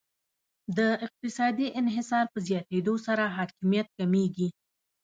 د اقتصادي انحصار په زیاتیدو سره حاکمیت کمیږي